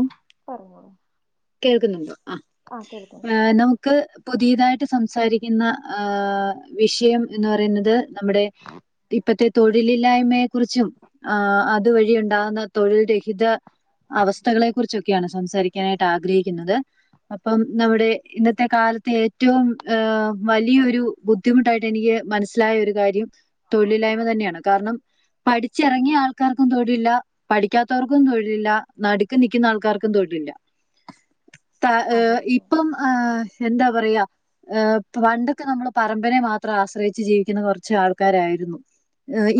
ഉം പറഞ്ഞോളൂ കേൾക്കുന്നുണ്ടോ ആഹ് ആ കേൾക്കാം ഏഹ് കേൾക്കാം നമുക്ക് പുതിയതായി ട്ട് സംസാരിക്കുന്ന ആഹ് വിഷയം എന്ന് പറയുന്നത് നമ്മടെ ഇപ്പത്തെ തൊഴിലില്ലായ്മയെ കുറിച്ചും ആഹ് അതുവഴി ഉണ്ടാകുന്ന തൊഴിൽ രഹിത അവസ്ഥകളെ കുറിച്ചൊക്കെയാണ് സംസാരിക്കാനാ ട്ടാഗ്രഹിക്കുന്നത് അപ്പം നമ്മുടെ ഇന്നത്തെ കാലത്തെ ഏറ്റോം ഏഹ് വലിയൊ രു ബുദ്ധിമുട്ടായിട്ട് എനിക്ക് മനസ്സിലായ ഒരു കാര്യം തൊഴിലില്ലായ്മ തന്നെയാണ് കാരണം പഠിച്ചിറങ്ങിയ ആൾക്കാർക്കും തൊഴിലില്ല പഠിക്കാത്തവർക്കും തൊഴിലില്ല നടുക്ക് നിക്കുന്ന ആൾക്കാർക്കും തൊഴിലില്ല അതെ അതെ അതെ ഇപ്പം ആ എന്താ പറയാ ഏ പണ്ടൊക്കെ നമ്മൾ പരമ്പരയെ മാത്രം ആശ്രയിച്ച് ജീവിക്കുന്ന കുറച്ച് ആൾക്കാരായിരുന്നു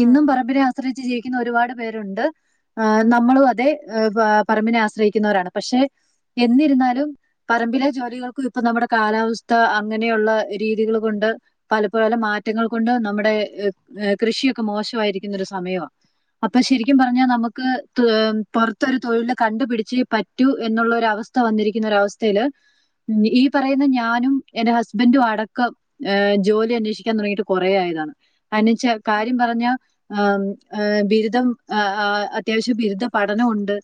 ഉം ഇന്നും ഉം ഉം പറമ്പിനെ ആശ്രയിച്ച് ജീവിക്കുന്ന ഒരുപാട് പേരുണ്ട് ആ ഉം നമ്മളും അതെ പറമ്പിനെ ആശ്രയിക്കുന്നവരാണ് പക്ഷെ എന്നിരുന്നാലും പറമ്പിലെ ജോലികൾക്കും ഇപ്പൊ നമ്മുടെ കാലാവസ്ഥ അങ്ങനെയുള്ള രീതികൾ കൊണ്ട് പല പല മാറ്റങ്ങൾ കൊണ്ട് നമ്മുടെ കൃഷിയൊക്കെ മോശമായിരിക്കുന്ന ഒരു സമയാ അപ്പൊ ശരിക്കും പറഞ്ഞാ നമുക്ക് പുറത്തൊരു തൊഴിലില് കണ്ടുപിടിച്ച് പറ്റൂ എന്നുള്ളൊര അവസ്ഥ വന്നിരിക്കുന്ന ഒരവസ്ഥയില് ഈ പറയുന്ന ഞാനും എൻ്റെ ഹസ്ബൻ്റും അടക്കം ഹ് ജോലി അന്വേഷിക്കാൻ തുടങ്ങിട്ട് കുറെയായി [unintelligible] ഉം കാര്യം പറഞ്ഞ ഉം ബിരുദം അത്യാവശ്യം ബിരുദ പഠനമുണ്ട്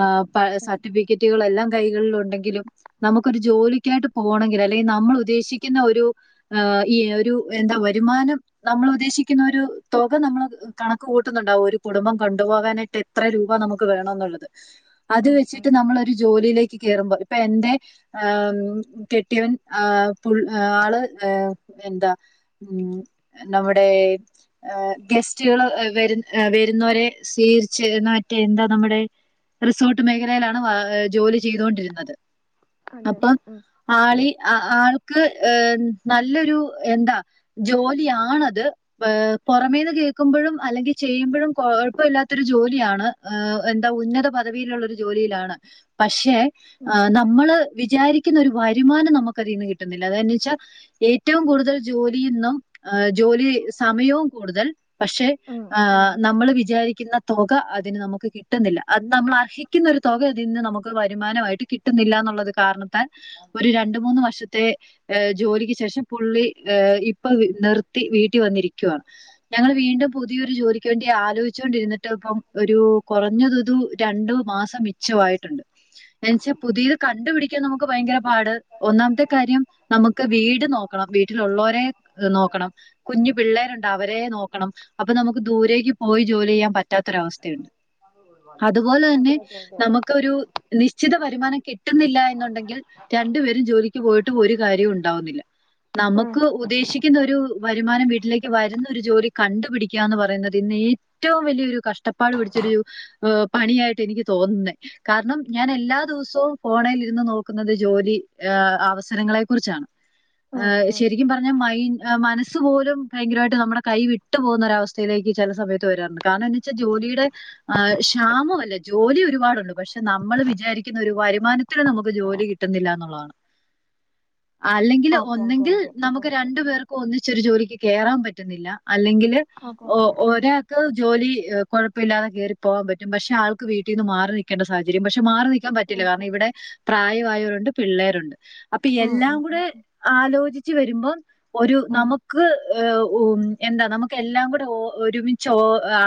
ആ പി സ ടിക്കറ്റ എല്ലാം കൈകളിൽ ഉണ്ടെങ്കിലും നമുക്കൊരു ജോലിക്കായിട്ട് പോണമെങ്കില് അല്ലെങ്കി നമ്മൾ ഉദ്ദേശിക്കുന്ന ഒരു ഈ ഒരു എന്താ വരുമാനം നമ്മൾ ഉദ്ദേശിക്കുന്നൊരു തുക നമ്മൾ കണ കൂട്ടുന്നുണ്ടാവോ ഒരു കുടുംബം കണ്ടുപോകാനായിട്ട് എത്ര രൂപ നമുക്ക് വേണം എന്നുള്ളത് അത് ഉം ഉം ഉം വെച്ചിട്ട് നമ്മളൊരു ഒരു ജോലിയിലേക്ക് കേറുമ്പോ ഇപ്പ എന്റെ ആ കെട്ടിയവൻ പു ആള് എന്താ ഉം നമ്മുടെ ഗസ്റ്റുകൾ വരുന്ന വരുന്നോരെ സ്വീകരിച്ച് ന്നന്താ മറ്റേ എന്താ നമ്മുടെ റിസോർട്ട് മേഖലയിലാണ് വ ജോലി ചെയ്തൊണ്ടിരുന്നത് അതെ അപ്പം അതെ ഉം ആളി ആൾക്ക് ഹ് നല്ലൊരു എന്താ ജോലിയാണത് പുറമേന്ന് കേൾക്കുമ് പ്പഴും അല്ലെങ്കി ചെയുമ്പോഴും കൊഴപ്പാത്തൊരു ജോലിയാണ് എന്താ ഉന്നത പദവിയിലുള്ളൊരു ജോലിയിലാണ് പക്ഷേ ഉം നമ്മള് വിചാരിക്കുന്ന ഒരു വരുമാനം നമുക്ക് അതിന്ന് കിട്ടുന്നില്ല ലതെവെച്ചാൽ ഏറ്റവും കൂടുതൽ ജോലിന്നും ജോലി സമയവും കൂടുതൽ പക്ഷെ ഉം ആ ഉം നമ്മൾ വിചാരിക്കുന്ന തുക അതിന് നമുക്ക് കിട്ടുന്നില്ല അത് നമ്മൾ അർഹി ക്കുന്ന ഒരു തുക അതിന്ന് നമുക്ക് വരുമാനമായിട്ട് കിട്ടുന്നില്ല എന്നുള്ളത് കാരണത്താൽ ഒരു രണ്ട് മൂന്ന് വർഷത്തെ ജോലിക്ക് ശേഷം പുള്ളി ഇപ്പൊ നിർത്തി വീട്ടിൽ വന്നിരിക് ക്കുവ ഞങ്ങൾ വീണ്ടും പുതിയൊരു ജോലിക്ക് വേണ്ടി ആലോചിച്ചൊണ്ടിരുന്നിട്ട് ഇപ്പം ഒരു കുറഞ്ഞതൊരു രണ്ട് മാസ് ച്ചവായിട്ടുണ്ട് എന്നച്ചാ പുതിയത് കണ്ടുപിടിക്കാൻ നമുക്ക് ഭയങ്കര പാട് ഒന്നാമത്തെ കാര്യം നമുക്ക് വീട് നോക്കണം വീട്ടിലുള്ളവരെ നോക്കണം കുഞ്ഞു പിള്ളേരു അവരെ നോക്കണം അപ്പൊ നമുക്ക് ദൂരേക്ക് പോയി ജോലി ചെയ്യാൻ പറ്റ പാറ്റാത്തൊരവസ്ഥയുണ്ട് അതുപോലെ തന്നെ അതെ അതെ അതെ നമുക്കൊരു നിശ്ചിത വരുമാനം കിട്ട കിട്ടുന്നില്ല എന്നുണ്ടെങ്കിൽ രണ്ടുപേരും ജോലിക്ക് പോയിട്ട് ഒരു കാര്യവും ഉണ്ടാവുന്നില്ല ഉം നമുക്ക് ഉദ്ദേശിക്കുന്ന ഒരു വരുമാനം കി വീട്ടിലേക്ക് വരുന്ന ഒരു ജോലി കണ്ടുപിടിക്കുക എന്ന് പറയുന്നത് ഇന്ന് ഏറ്റവും വലിയൊരു കഷ്ടപ്പാട് പിടിച്ചരു ആ പണിയായിട്ട് എനിക്ക് തോന്നുന്നത് കാരണം ഞാൻ എല്ലാ ദിവസവും ഫോണിൽ ഇരുന്ന് നോക്കുന്നത് ജോലി അവസരങ്ങ [unintelligible] കുറിച്ചാണ് ആ ഉം ഉം ശരിക്കും പറഞ്ഞാൽ മൈൻ മനസ്സാ പോലും ഭയങ്കരമായിട്ട് നമ്മുടെ കൈ വിട്ടു പോകുന്നരവസ്ഥയിലേക്ക് ചില സമയത്ത് വരാറുണ്ട് കാരണം എ വെച്ചാൽ ജോലിയുടെ ആ ക്ഷാമമല്ല ജോലി ഒരുപാടുണ്ട് പക്ഷെ നമ്മൾ വിചാരിക്കുന്ന ഒരു വരുമാനത്തിന് നമുക്ക് ജോലി കിട്ടുന്നില്ല എന്നുള്ളതാണ് [inaudible] അല്ലെങ്കിൽ അതെ അതെ അതെ ഒന്നെങ്കിൽ അതെ അതെ നമുക്ക് രണ്ടു അതെ പേർക്കും ഒന്നിച്ചരു ജോലിക്ക് കയറാൻ പറ്റുന്നില്ല അല്ലെങ്കിൽ അതെ ഒരാൾക്ക് ജോലി കുഴപ്പില്ലാതെ കേയറി പോകാൻ പറ്റും പക്ഷെ ആൾ വീട്ടിൽ നിന്ന് മാറി നിക്കേണ്ട സാഹചര്യം പക്ഷെ മാറി നിക്കാൻ ഉം പറ്റില്ല കാരണം ഉം ഇവിടെ പ്രായം പ്രയയാവരുണ്ട് പിള്ളേരുണ്ട് അപ്പൊ ഉം ഉം എല്ലാം ഉം കൂടെ ആലോചിച്ച് വരുമ്പോം ഒരു ഉം നമുക്ക് ഹ് ഉ എന്താ നമുക്ക് എല്ലാം കൂടെ ഒരുമിച്ച്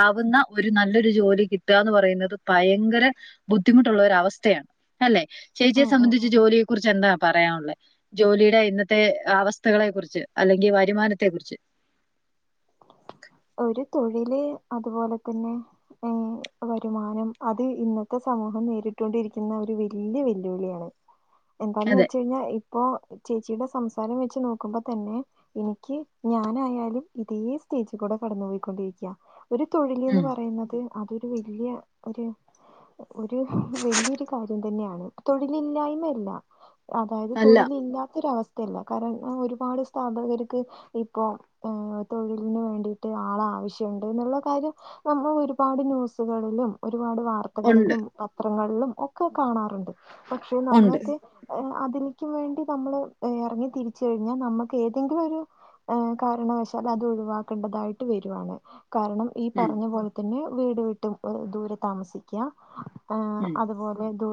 ആവുന്ന ഒരു നല്ലൊരു ജോലി കിട്ടി കിട്ടാന്ന് പറയുന്നത് ഭയങ്കര ബുദ്ധിമുട്ടുള്ള ഒര അവസ്ഥയാണ് അല്ലേ ചേച്ചിയെ ഉം ഉം ഉം സംബന്ധിച്ച് ഉം ഉം ജോലിയെ കുുറിച്ച് എന്താ പറയാനുള്ളേ ജോലിയുടെ ഇന്നത്തെ അവസ്ഥകളെ കുറിച്ച് അല്ലെങ്കിൽ വരുമാനത്തെ കുറിച്ച് [inaudible] ഒരു തൊഴില് അതുപോലെ തന്നെ ഏ വരുമാനം അത് ഇന്നത്തെ സമൂഹം നേരിട്ടൊണ്ടിരിക്കുന്ന ഒരു വല്യ വെല്ലുവിളിയാണ് എന്താന്ന് അതെ വെച്ച കഴിഞ്ഞാൽ ഇപ്പോ ചേച്ചിയുടെ സംസാരം വെച്ച് നോക്കുമ്പോ തന്നെ എനിക്ക് ഞാനായാലും ഇതേ സ്റ്റേജിൽ കൂടെ കടന്നു പോയിക്കൊണ്ടിരിക്കയാ ഒരു തൊഴിൽ എന്ന് ഉം പറയുന്നത് അതൊരു വലിയ ഒരു ഒരു വലിയൊരു കാര്യം തന്നെയാണ് തൊഴിലില്ലായ്മയല്ല അതായത് അല്ല തൊഴില ഇല്ലാത്തൊരവസ്ഥ ല്ല കാരണം ഒരുപാട് സ്ഥാപകർക്ക് ഇപ്പൊ തൊഴിലിന് വേണ്ടി ആളെ ആവശ്യുണ്ട് എന്നുള്ള കാര്യം നമ്മൾ ഒരുപാട് ന്യൂസുകളിലും ഒരുപാട് ഉണ്ട് വാർത്തകളിലും പത്രങ്ങളിലും ഒക്കെ കാണാറുണ്ട് പക്ഷെ ഉണ്ട് നമ്മളക്ക അതിന് വേണ്ടി നമ്മള് ഇറങ്ങി തിരിച്ചു കഴിഞ്ഞാൽ നമ്മുക്ക് ഏതെങ്കിലും ഒരു ഏ കാരണവശാൽ അത് ഒഴിവാക്കേണ്ടതായിട്ട് വരുവാണ് കാരണം ഈ ഉം പറഞ്ഞ പോലെ തന്നെ വീട് വിട്ടും ദൂരെ താമസിക്കുക ഉം അതുപോലെ ദൂ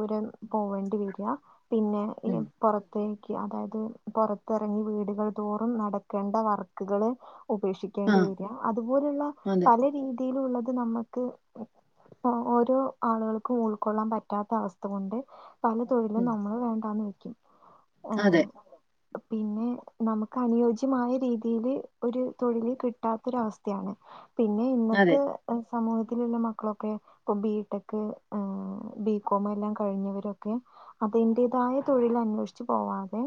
പോവേണ്ടി വരി പിന്നെ ഉം പുറത്ത് അതായത് പുറത്തിറങ്ങി വീടുകൾ തോറും നടക്കേണ്ട വർക്കുകൾ ഉപക്ഷ ആ ണ്ട വരി അതുപോലുള്ള അതെ പല രീതിയിലുള്ള അത് നമ്മുക്ക് ഓരോ ആളുകൾക്കും ഉൾക്കൊള്ളാൻ പറ്റാത്ത അവസ്ഥ കൊണ്ട് പല തൊഴിലും ഉം നമ്മള് വേണ്ടാന്ന് വ അതെ പിന്നെ നമുക്ക് അനുയോജ്യമായ രീതിയില് ഒരു തൊഴിൽ കിട്ടാത്തര അവസ്ഥയാണ് പിന്നെ അതെ ഇന്നത്തെ സമൂഹത്തിലുള്ള മക്കളൊക്കെ ഇപ്പോൾ ബിടെക്ക് ബികോം എല്ലാം കഴിഞ്ഞവരൊക്കെ അതിന്റേതായ തൊഴിൽ അന്വേഷിച്ചച്ച് പോവാതെ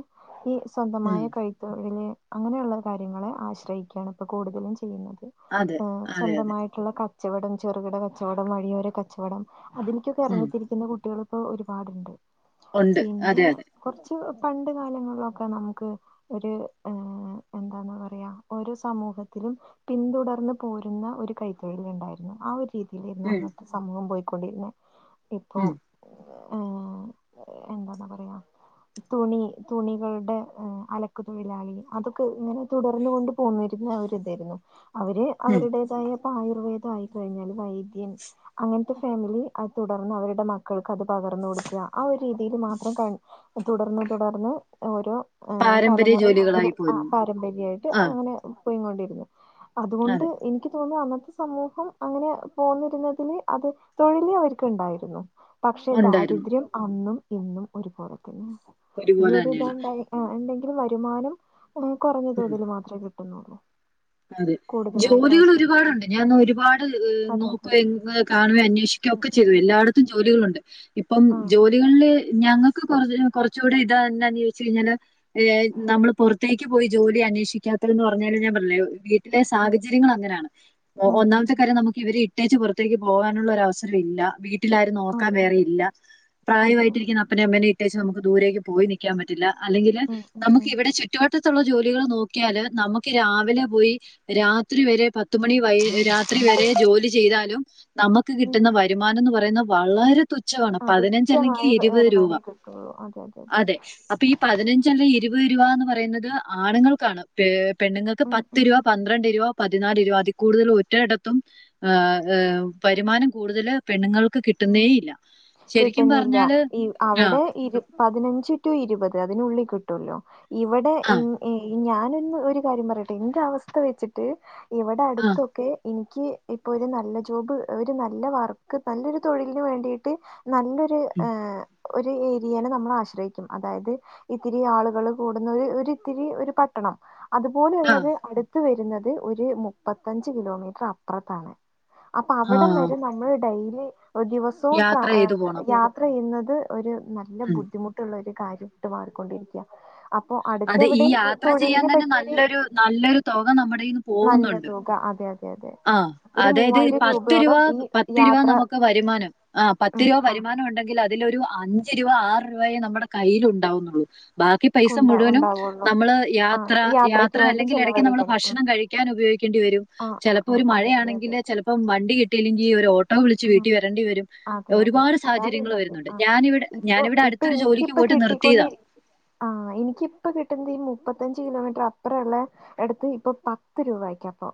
ഈ സ്വന്തമായ ഉം കൈത്തൊഴിൽ അങ്ങനെയുള്ള കാര്യങ്ങളെ ആശ്രയിക്കുകയാണ് ഇപ്പോൾ കൂടുതലും ചെയ്യുന്നത് അതെ അതെ അതെ സ്വന്തമായിട്ടുള്ള കച്ചവടം ചെറുകിട കച്ചവടം വഴിയോര കച്ചവടം അതിലക്കൊക്കെ ഉം ഇറങ്ങിത്തിരിക്കുന്ന കുട്ടികൾ ഇപ്പോൾ ഒരുപാടുണ്ട് ഉണ്ട് പിന്നെ അതെ അതെ കുറച്ച് പണ്ട് കാലങ്ങളിലൊക്കെ നമുക്ക് ഒരു എന്താന്ന പറയാ ഒരു സമൂഹത്തിലും പിന്തുടർന്ന് പോരുന്ന ഒരു കൈത്തൊഴില ഉണ്ടായിരുന്നു ആ ഒരു രീതി ീ ഉം അന്നത്തെ സമൂഹം പോയിക്കൊണ്ടിരുന്നെ ഇപ്പൊ ഉം ആഏ എന്താന്നാ പറയാ തുണി തുണികളുടെ അലക്ക്ു തൊഴിലാളി അതൊക്കെ ഇങ്ങനെ തുടർന്ന കൊണ്ട് പോന്ന അവതായിരുന്നു അവര് ഉം അവരുടേതായപ്പ ആയുർവേദ ആയിക്കഴിഞ്ഞാൽ വൈദ്യം അങ്ങനത്തെ ഫാമിലി തുടർന്ന് അവരുടെ മക്കൾക്ക് അത് പകർന്ന കൊടുക്കുക ആ ഒരു രീതിയിൽ മാത്രം ക തുടർന്ന് തുടർന്ന് ഓരോ ആഏ പാരമ്പര്യ തലമുറ അങ്ങനെ ജോലികളായി ആ പോയിരുന്നു പാരമ്പര്യമായിട്ട് ആ അങ്ങനെ പൊയി കൊണ്ടിരുന്നു അതുകൊണ്ട് അതെ എനിക്ക് തോന്നുന്നു അന്നത്തെ സമൂഹം അങ്ങനെ പോന്നിരുന്നതിന് അത് തൊഴിൽി അവർക്ക് ഉണ്ടായിരുന്നു പക്ഷെ ഉണ്ടായിരുന്നു ദാരിദ്ര്യം അന്നും ഇന്നും ഒരുപോലെ പിന്നെ ഒരുപോലെ ഈ തന്നെയാണ് ഇതണ്ടണ്ടെങ്ക വരുമാനം കുറഞ്ഞ ഉം തോതിൽ മാത്രമേ കിട്ടുന്നുള്ളൂ അതെ കൂടുതലായിട്ട് ജോലികൾ ആശ്രയിക്കും ഒരുപാടുണ്ട് ഞാൻ ഒ ഒരുപാട് അതെ അതെ നോക്ക എ അതെ അതെ കാണുവ അന്വേഷിക്ക ഉം ഒക്കെ ഉം ചെയ്തു ഉം എല്ലായിടത്തും ജോലികളുണ്ട് ഇപ്പം ആഹ് ജോലികളില് ഞങ്ങൾ കുറച്ചുകൂടി ഇത് തന്നാന്ന് ചോദിച്ചച്ച് കഴിഞ്ഞാൽ നമ്മൾ പുറത്തേക്ക് പോയി ജോലി അന്വേഷിക്കാം വിടത്തില്ന്ന് പറഞ്ഞാല് ഞാൻ പറഞ്ഞിലെ വീട്ടിലെ ആഹ് സാഹചര്യങ്ങളാങ്ങനാണ് ഉം ഉം ഒന്നാമത്തെ ഉം കാര്യം നമുക്കിവരെ ഇ ട്ടേച്ച് പൊറത്തേക്ക് പോകാനൊള്ള ഒരവസരവില്ലാ വീട്ടിലാരും നോക്കാൻ അതെ വേറെ അതെ ഇല്ല അതെ അതെ പ്രായമായിട്ടിരിക്കുന്ന അപ്പനും അമ്മനെ ഇട്ടേച്ചച്ച് നമുക്ക് ദൂരേക്ക് പോയി നിക്കാൻ പറ്റില്ല അല്ലെങ്കില് ഉം ഉം നമുക്ക് ഉം ഇവിടെ ചുറ്റുവട്ടത്തുള്ള ജോലികൾ നോക്കിയാല് നമുക്ക് രാവിലെ പോയി രാത്രി വരെ പത്തുമണി വൈ രാത്രി വരെ ജോലി ചെയ്താലും നമ്മക്ക് ഉം കിട്ടുന്ന വരുമാനം ന്ന് പറയുന്നെ വളരെ തുച്ഛവാണ് അത് പതിനഞ്ച് അല്ലെങ്കി തുച്ഛമായ വ- ഇരുവത് രൂവാ വരുമാനേ കിട്ടുള്ളൂ അതെ അതെ അപ്പോ ഈ പതിനഞ്ച് അല്ല ഇരുവ രൂപന്ന് പറേന്നത് ആണുങ്ങൾക്കാണ് പെണ്ണുങ്ങൾക്ക് ഉം പത്ത് ഉം രൂപ ഉം പന്ത്രണ്ട് രൂപ പ തിനാല് രൂപാ അതി കൂടുതല് ഒരടത്തും ആഹ് ആഹ് വരുമാനം കൂടുതല് പെണ്ണുങ്ങൾ ക്ക് ഉം കിട്ടുന്നേയില്ല ശെരിക്കും കിട്ടുന്നില്ല പറഞ്ഞാല് ഈ ആഹ് അവിടെ ഇരു പതിനഞ്ച് ടു ഇരുപത് അതിനുള്ളി കിട്ടുല്ലോ ഇവിടെ ആ ഇഞ് ഈ ഈ ഞാനൊന്ന് ഒരു കാര്യം പറയട്ടെ ഇന്റെ അവസ്ഥ വെച്ചിട്ട് ഇവിടെ ആ അടുത്തൊക്കെ എനി ക്ക് ഇപ്പൊ ഒരു നല്ല ജോബ് ഒരു നല്ല വർക്ക് നല്ലൊരു തൊഴിലിന് വേണ്ടിയിട്ട് നല്ലൊരു ഉം, ഏഹ് ഒരു ഏരിയനെ നമ്മള് ആശ്രയിക്കും അതായത് ഇത്തിരി ആളുകള് കൂടുന്ന ഒര് ഒരിത്തിരി ഒരു പട്ടണം ആ അതുപോലെയുള്ളത് അടുത്ത് വരുന്നത് ഒരു മുപ്പത്തഞ്ച് കിലോമീറ്റർ അപ്പറത്താണ് അപ്പൊ ആ അവടം വരെ നമ്മള് ഡെയിലി ദിവസവും ട്രാ യാത്ര ചെയ്തു പോണം യാത്ര ചെയ്യുന്ന ത് ഒരു നല്ല ഉം. ബുദ്ധിമുട്ടുള്ള ഒരു കാര്യ ഇട്ട് മാറിക്കൊണ്ടിരിക്ക്യാ അത് ഈ യാത്ര ചിയ്യാൻ തന്നെ പറ്റിയൊരു നല്ലൊരു നല്ലൊരു തൊക നമ്മുടെ യ്ന്ന് നല്ല പോകുന്നുണ്ട് തുക അതെ അതെ അതെ ആഹ് ഒരു അതായത് മൂവായിരം പത്ത് രൂവ രൂപയോളം ഈ പത്ത് രൂവ യാത്ര നമുക്ക് വര് മാനം ആ പത്ത് ഉം രൂവ ആ വരുമാനം ഉണ്ടെങ്കില തിലൊരു അഞ്ച് രൂവ ആറ് രൂവയേ നമ്മുടെ കയ്യിൽ ഉണ്ടാവുന്നുള്ളൂ ബാക്കി പൈസ ഉണ്ടാ മുഴുവനും ഉണ്ടാവുള്ളൂ നമ്മള് ആ യാത്ര യാത്രക്ക് യാത്ര വേണ്ടി അല്ലെങ്കിൽ എടയ്ക്ക് നമ്മൾ ചെലവഴിക്കണം ഉം ഭക്ഷണം കഴിക്കാൻ ഉപയോഗി ക്കേണ്ടി വരും ആ ആ ചെലപ്പോ ആ ഒരു അതെ അതെ മഴയാണെങ്കില് ചെലപ്പം വണ്ടി കിട്ടില്ലെങ്കി ഒരോ ആഹ് അതെ അതെ ഒരുപാട് അതാണ് സാഹചര്യങ്ങൾ ഇള്ളത് വരുന്നുണ്ട് ആ ഞാനിവിടെ ഇപ്പൊ ഞാനിവിടെ ഇപ്പൊ അടുത്തൊരു ജോലിക്ക് എനിക്കിപ്പ പോയിട്ട് നിർത്തിയതാ കിട്ടിക്കൊണ്ടിരി ആഹ് എനിക്കിപ്പ കിട്ടുന്നത് ഈ മു പ്പത്തഞ്ച് കിലോമീറ്റർ അപ്പറ ഇള്ള അട്ത്ത് ഇപ്പൊ പത്ത് രൂവ ആക്കി അപ്പൊ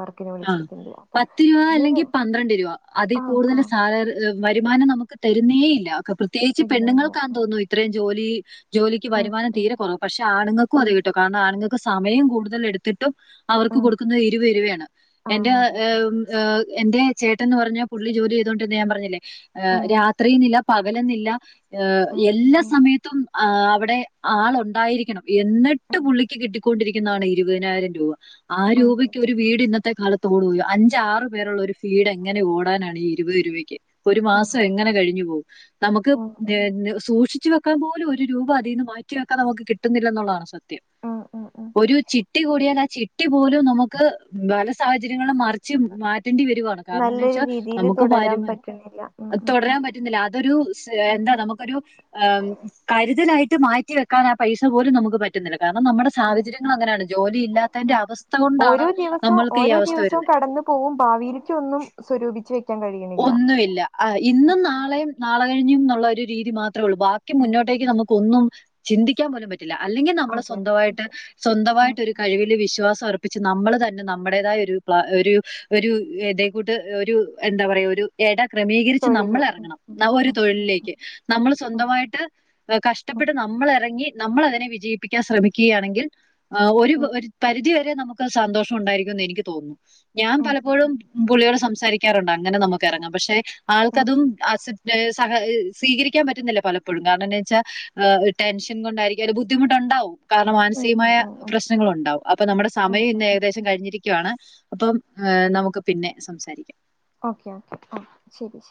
വർക്കിന് ആ വിളിച്ചിരിക്കുന്നത് അപ്പൊ പത്ത് രൂവ ഈയൊരു അല്ലെങ്കി പന്ത്രണ്ട് രൂവ അതീ ആഹ് കൂടുതല് ആഹ് സാലറി ഏ വരുമാനം നമുക്ക് തരുന്നേ ഇല്ല ക പ്രത്യേയിച്ച് ഇല്ല ഇല്ല പെണ്ണ്ങ്ങൾക്കാന്ന് ഉം തോന്നുന്നു ഇത്രയും ജോലി ജോലിക്ക് ഉം വരുമാനം ഉം തീരെ കൊറവ് പക്ഷെ ആണുങ്ങക്കും അതേ ഉം കിട്ടൂ കാരണം ആണുങ്ങക്ക് സമയം കൂടുതൽ എട്ത്ത് ട്ടും അവർക്ക് ഉം കൊടുക്കുന്നത് ഇരുവത് രൂവേണ് എൻ്റെ ആഹ് അതെ അതെ ഏം അതെ ഏ എ ന്റെ ചേട്ടന്ന് പറഞ്ഞാ പുള്ളി ജോലി ചെയ്തോണ്ടിര്ന്നെയാ ഞാൻ പറഞ്ഞില്ലേ ഉം രാത്റീന്നില്ല പകലന്നില്ല ഏ ഉം ഉം എല്ലാ ഉം സമയത്തും ആ അവടെ ആള് ഉണ്ടായിരിക്കണം. എന്നിട്ട് ഉം പുള്ളിക്ക് കിട്ടിക്കൊ ക്കോണ്ടിരിക്കുന്നതാണ് ഇരുവതിനായിരം രൂവ ആ അതെ രൂവയ്ക്ക് അതെ ഒരു വീട് ഇന്നത് കാലത്തോടല അഞ്ചാറു പേരുള്ള ഒരു ഫീട് എങ്ങനെ ഓടാനാണ് ഈ ഇരുവത് രൂപയ്ക്ക്. ഒരു മാസം ആഹ് എങ്ങനെ കഴിഞ്ഞു പോവും. നമുക്ക് ഉം ഉം ഏന്ന് സൂക്ഷിച്ചു വെ ക്കാൻ പോലും ഒരു രൂപ അതീന്ന് മാറ്റി വെക്കാൻ നമുക്ക് കിട്ടുന്നില്ല എന്നുള്ളതാണ് സത്യം. ഉം ഉം ഉം ഒരു ചി ചിട്ടി കൂടിയാൽ ആ ചിട്ടി പോലും നമക്ക് ബല സാഹചര്യങ്ങളും മാറി ച്ചു മാറ്റേണ്ടി വരുകാണ് കാര്ണംന്ന് നല്ലൊരു വെച്ചാൽ രീതിയില് നമുക്ക് തുടരാൻ വരുമാനം പറ്റണില്ല ഉം ഉം ഉം തൊടരാൻ പറ്റുന്ന്ല്ല. അതൊരു സ് ഉം എന്താ ഉം നമുക്കൊരു ഹ് കരുതലായിട്ട് മാറ്റിവെക്കാൻ ആ പൈസ പോലും നമുക്ക് പറ്റുന്നില്ല. കാര്ണം നമ്മടെ ഉം സാഹചര്യങ്ങൾ ഉം അങ്ങനെയാണ്. ജോലി ആ ഇല്ലാത്തതിന്റെ അവസ്ഥ കൊണ്ടാണ് ഓരോ ദിവസവും നമ്മൾ ഓരോ ദിവസവും കടന്നു പോവും. ഭാവിയിലെക്ക് ഒന്നും സ്വരൂപിച്ച് വെക്ക ഒന്നുമില്ല ഇന്നും നാളെയും നാളെ കഴിഞ്ഞും. എന്നുള്ള ഒരു രീതി മാത്രം. ത്ര ഒള്ളൂ ബാക്കി ഉം ഉം മുന്നോട്ടേക്ക് ഉം നമുക്ക് ഒന്നും ചിന്തിക്കാൻ പോലും പറ്റും അല്ലെങ്കി നമ്മള് അതെ അതെ സ്വന്തവായിട്ട് അതെ സ്വന്ത വായിട്ട് ഒരു ഉം കഴിവില് വിശ്വാസം അർ ച്ച് നമ്മള് തന്നെ നമ്മെടേതായ ഒരു പ്ല ഒരു ഒരു ഇതേക്കൂട്ട് ഒരു എന്താ പറയ ഒരു എട ക്രമീകരിച്ച് നമ്മൾ തൊഴില് ഉം എറങ്ങണം. ഉം നവൊരു ഉം തൊഴിലിലേക്ക് നമ്മൾ സ്വന്ത ഉം ഉം വായിട്ട് കഷ്ട ഉം ഇവടെ നമ്മൾ എറങ്ങി നമ്മളെ അതിനെ വിജയിപ്പിക്കാൻ ശ്രമിക്കെ ആണെങ്കിൽ. ആഹ് ഒരു ഉം പരിധി വരെ നമുക്ക് സന്തോഷം ഉണ്ടായിരിക്കും. എന്ന് എനിക്ക് തോന്നുന്നു. ഞാൻ ഉം ഉം പലപ്പോഴും പുള്ളിയോട് സംസ് ങ്ങാറുണ്ട്. അങ്ങനെ നമുക്ക് ഇറങ്ങാം. പക്ഷെ ഉം ആൾക്കതും അസ സഹ സ്വീകരിക്കൻ പറ്റുന്നില്ല പലപ്പോഴും. കാരണം എന്ത് എന്ന് ച്ചാൽ് ടെൻഷൻ കൊണ്ടായിരിക്കും. ഒരു ബുദ്ധിമുട്ടുണ്ടാവും. കാരണം ഉം ഉം ഉം മാനസികമായ ഉം പ്രശ്നങ്ങളുണ്ടാവും, അപ്പൊ നമ്മുടെ ഉം സമയം ഉം ഇന്ന് ഉം ഏകദേശം കഴിഞ്ഞിരിക്കും. യാണ് അപ്പം നമുക്ക് പിന്നെ സംസാരിക്കാം. ഓക്കെ ഓക്കെ ശരി ശരി